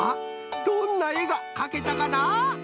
どんなえがかけたかな？